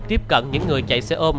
tiếp cận những người chạy xe ôm